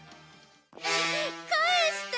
返して！